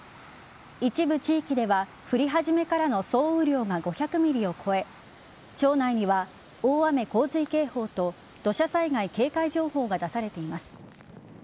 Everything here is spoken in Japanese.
一部地域では降り始めからの総雨量が５００ｍｍを超え町内には大雨洪水警報と土砂災害警戒情報が出されています。